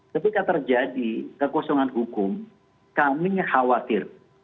ketika terjadi kekosongan hukum kami khawatir